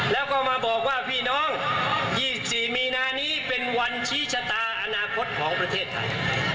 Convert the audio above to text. แล้วก็มาบอกว่าพี่น้อง๒๔มีนานี้เป็นวันชี้ชะตาอนาคตของประเทศไทย